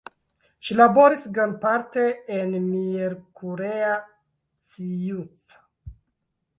Ŝi laboris grandparte en Miercurea Ciuc.